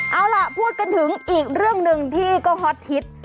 เอาล่ะพูดกันถึงอีกเรื่องหนึ่งที่ก็ฮอตฮิต